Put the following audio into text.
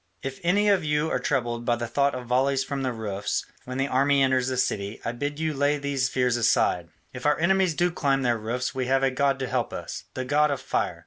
If any of you are troubled by the thought of volleys from the roofs when the army enters the city, I bid you lay these fears aside: if our enemies do climb their roofs we have a god to help us, the god of Fire.